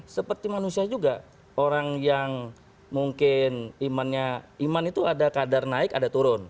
seperti manusia juga orang yang mungkin imannya iman itu ada kadar naik ada turun